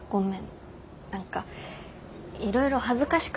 何かいろいろ恥ずかしくなった。